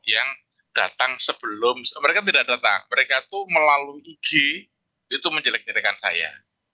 yang datang sebelum mereka tidak datang mereka itu melalui ig itu menjelek jelekkan saya